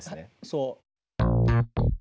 そう。